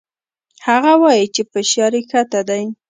هغه وايي چې فشار يې کښته ديه.